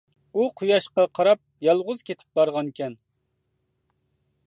ئۇ قۇياشقا قاراپ يالغۇز كېتىپ بارغانىكەن.